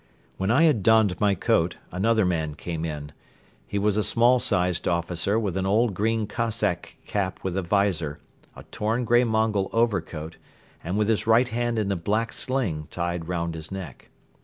When I had donned my coat, another man came in. He was a small sized officer with an old green Cossack cap with a visor, a torn grey Mongol overcoat and with his right hand in a black sling tied around his neck.